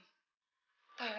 ayo kita keluar dari sini